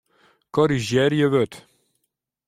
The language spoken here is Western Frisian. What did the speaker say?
Korrizjearje wurd.